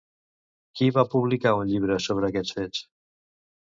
Qui va publicar un llibre sobre aquests fets?